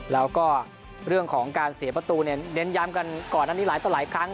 แล้วก็เรื่องของการเสียประตูเนี่ยเน้นย้ำกันก่อนอันนี้หลายต่อหลายครั้ง